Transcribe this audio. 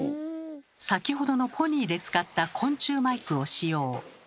先ほどのポニーで使った昆虫マイクを使用。